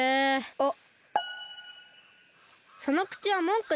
あっ！